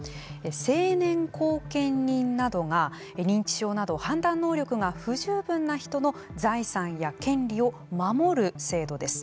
成年後見人などが、認知症など判断能力が不十分な人の財産や権利を守る制度です。